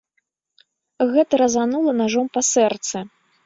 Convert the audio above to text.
Гэта разанула нажом па сэрцы.